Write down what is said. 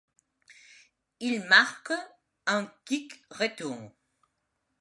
Il marque un kick return.